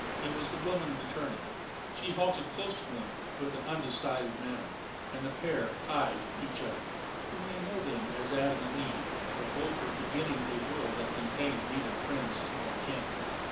It was the woman returning. She halted close to him with an undecided manner, and the pair eyed each other. We may know them as Adam and Eve, for both were beginning a world that contained neither friends nor kin.